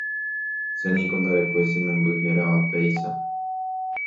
che niko ndarekói chememby hérava péicha.